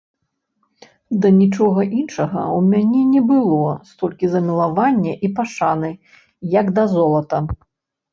Да нічога іншага ў мяне не было столькі замілавання і пашаны, як да золата.